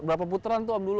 berapa putaran itu om dulu